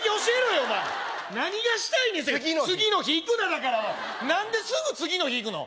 お前何がしたいねん次の日次の日いくなだから何ですぐ次の日いくの？